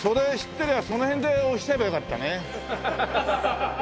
てりゃその辺で押しちゃえばよかったね。